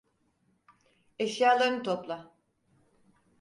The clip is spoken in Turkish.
Eşyalarını topla.